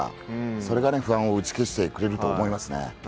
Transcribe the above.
それが不安を打ち消してくれると思いますね。